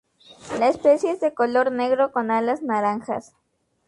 La especie es de color negro, con alas naranjas.